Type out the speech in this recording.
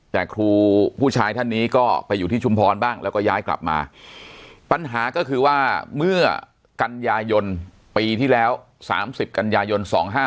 แต่ครูผู้ชายท่านนี้ก็ไปอยู่ที่ชุมพรบ้างแล้วก็ย้ายกลับมาปัญหาก็คือว่าเมื่อกันยายนปีที่แล้ว๓๐กันยายน๒๕๖